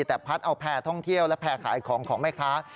แต่พัดเอาแพร่ท่องเที่ยวและแพร่ขายของของแม่ค้า